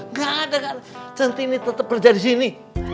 nggak ada karna centini tetep kerja di sini